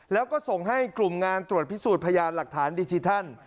แล้วก็ส่งให้กลุ่มงานตรวจพิสูจน์พยานหลักฐานดิจิทัล